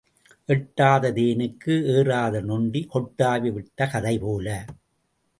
எட்டாத தேனுக்கு ஏறாத நொண்டி கொட்டாவி விட்ட கதை போல.